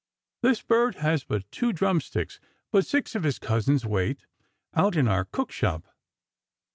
This bird has but two drum sticks, but six of his cousins wait, out in our cook shop!